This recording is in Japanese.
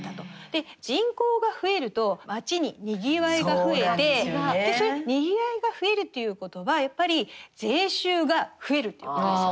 で人口が増えると街ににぎわいが増えてでそういうにぎわいが増えるということはやっぱり税収が増えるということですよね。